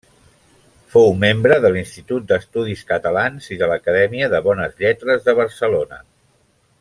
Fou membre de l'Institut d'Estudis Catalans i de l'Acadèmia de Bones Lletres de Barcelona.